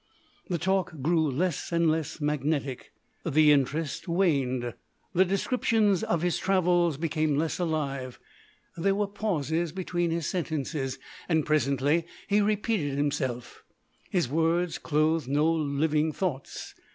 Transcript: The talk grew less and less magnetic; the interest waned; the descriptions of his travels became less alive. There were pauses between his sentences. Presently he repeated himself. His words clothed no living thoughts.